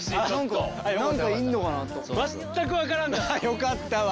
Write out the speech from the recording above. よかったわ！